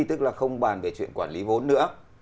tức là không bàn về chuyện quản lý vốn nữa